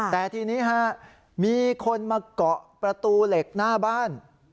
แต่ทีนี้ฮะมีคนมาเกาะประตูเหล็กหน้าบ้าน